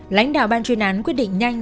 lãnh đạo ban chuyên án quyết định nhanh